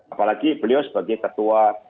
apalagi beliau sebagai ketua